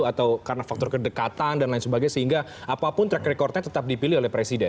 atau karena faktor kedekatan dan lain sebagainya sehingga apapun track recordnya tetap dipilih oleh presiden